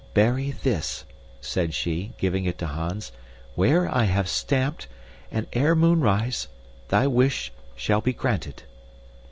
"Bury this," said she, giving it to Hans, "where I have stamped, and ere moonrise thy wish shall be granted."